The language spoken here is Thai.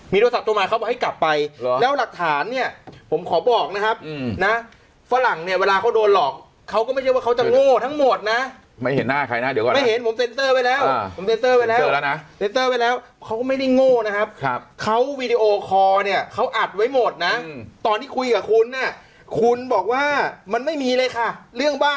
มีโทรศัพท์ตัวมาเขาบอกให้กลับไปแล้วหลักฐานเนี่ยผมขอบอกนะครับนะฝรั่งเนี่ยเวลาเขาโดนหลอกเขาก็ไม่เจอว่าเขาจะโง่ทั้งหมดนะไม่เห็นหน้าใครหน้าเดี๋ยวก่อนนะไม่เห็นผมเซ็นเซอร์ไว้แล้วผมเซ็นเซอร์ไว้แล้วเซ็นเซอร์ไว้แล้วเขาก็ไม่ได้โง่นะครับเขาวีดีโอคอร์เนี่ยเขาอัดไว้หมดนะตอนที่คุยกับคุ